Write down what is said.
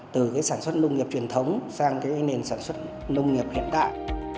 từ sản xuất nông nghiệp truyền thống sang nền sản xuất nông nghiệp hiện tại